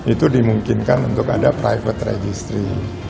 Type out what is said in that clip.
itu dimungkinkan untuk ada private registry